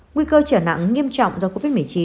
nguy cơ trở nặng nghiêm trọng do covid một mươi chín